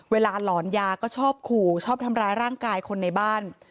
หลอนยาก็ชอบขู่ชอบทำร้ายร่างกายคนในบ้าน